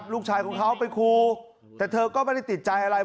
ลูกชายของเขาไปครูแต่เธอก็ไม่ได้ติดใจอะไร